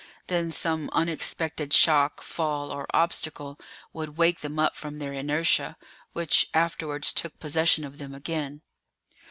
Then some unexpected shock, fall, or obstacle would wake them up from their inertia, which afterwards took possession of them again.